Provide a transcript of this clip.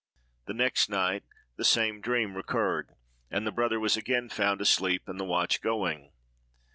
The next night the same dream recurred, and the brother was again found asleep and the watch going.